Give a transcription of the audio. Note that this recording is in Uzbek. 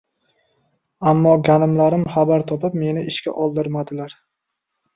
Ammo ganimlarim xabar topib, meni ishga oldirmadilar.